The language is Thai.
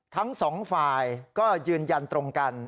ทั้งสองฝ่ายก็ยืนยันตรงกัน